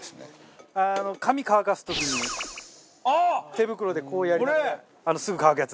手袋でこうやりながらすぐ乾くやつ。